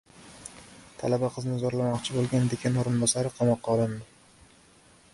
Talaba qizni zo‘rlamoqchi bo‘lgan dekan o‘rinbosari qamoqqa olindi